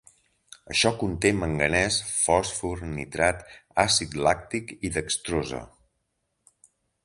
Això conté manganès, fòsfor, nitrat, àcid làctic i dextrosa!